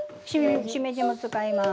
しめじも使います。